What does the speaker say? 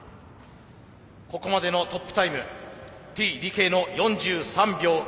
ここまでのトップタイムＴ・ＤＫの４３秒４１。